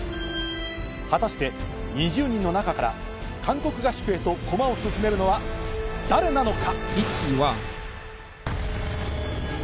果たして２０人の中から韓国合宿へと駒を進めるのは誰なのか？